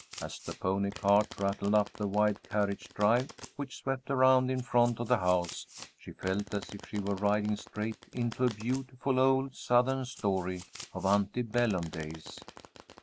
As the pony cart rattled up the wide carriage drive which swept around in front of the house, she felt as if she were riding straight into a beautiful old Southern story of ante bellum days.